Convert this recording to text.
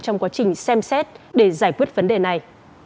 trong quá trình xem xét để giải quyết vấn đề này